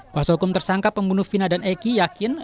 kuasa hukum tersangka pembunuh vina dan eki yakin